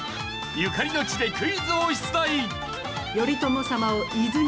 ゆかりの地でクイズを出題！